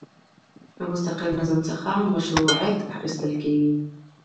له مستقر نظم څخه مشروعیت اخیستل کیږي.